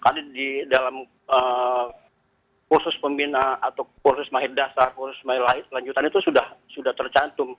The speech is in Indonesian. karena di dalam kursus pembina atau kursus mahir dasar kursus lanjutan itu sudah tercantum